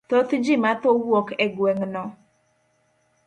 Thoth ji ma tho wuok e gweng' no.